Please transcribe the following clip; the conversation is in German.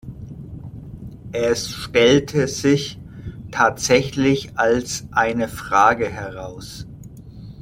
Es stellte sich tatsächlich als eine Frage heraus.